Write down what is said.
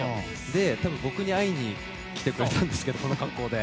多分、僕に会いに来てくれたんですけどこの格好で。